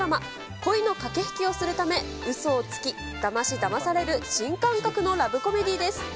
恋の駆け引きをするため、うそをつき、だましだまされる、新感覚のラブコメディーです。